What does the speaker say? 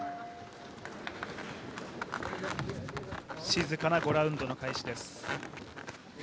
静かな５ラウンドの開始です。